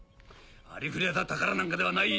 ありふれた宝なんかではない。